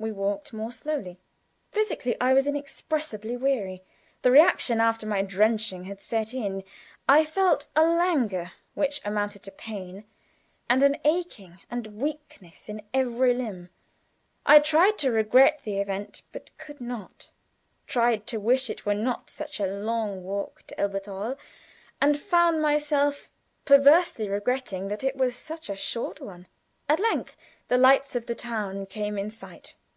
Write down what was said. We walked more slowly. Physically I was inexpressibly weary. The reaction after my drenching had set in; I felt a languor which amounted to pain, and an aching and weakness in every limb. I tried to regret the event, but could not; tried to wish it were not such a long walk to Elberthal, and found myself perversely regretting that it was such a short one. At length the lights of the town came in sight.